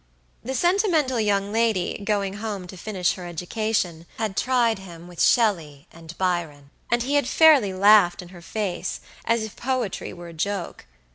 The sentimental young lady, going home to finish her education, had tried him with Shelly and Byron, and he had fairly laughed in her face, as if poetry were a joke.